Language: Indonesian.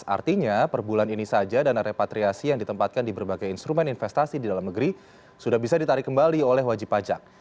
artinya per bulan ini saja dana repatriasi yang ditempatkan di berbagai instrumen investasi di dalam negeri sudah bisa ditarik kembali oleh wajib pajak